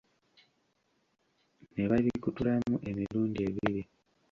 Ne babikutulamu emirundi ebiri.